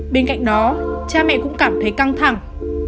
bên cạnh đó cha mẹ cũng cảm thấy căng thẳng